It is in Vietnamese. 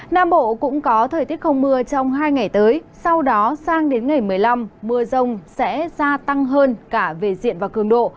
nam bộ cũng có thời tiết không mưa trong hai ngày tới sau đó sang đến ngày một mươi năm mưa rông sẽ gia tăng hơn cả về diện và cường độ